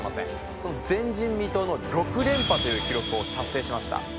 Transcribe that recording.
その前人未到の６連覇という記録を達成しました。